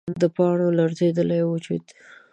د پاڼو لړزیدلی وجود